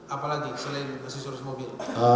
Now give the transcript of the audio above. apalagi selain susur mobil